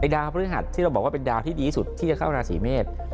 ดาวพฤหัสที่เราบอกว่าเป็นดาวที่ดีที่สุดที่จะเข้าราศีเมษ